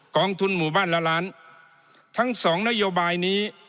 องทุนหมู่บ้านละล้านทั้งสองนโยบายนี้